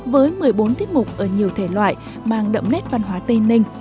với một mươi bốn tiết mục ở nhiều thể loại mang đậm nét văn hóa tây ninh